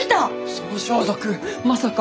その装束まさか。